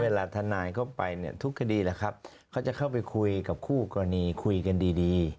ทนายเข้าไปเนี่ยทุกคดีแหละครับเขาจะเข้าไปคุยกับคู่กรณีคุยกันดี